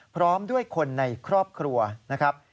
พร้อมด้วยคนในครอบครัวนะครับ